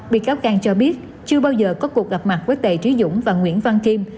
bị cáo cang cho biết chưa bao giờ có cuộc gặp mặt với tề trí dũng và nguyễn văn kim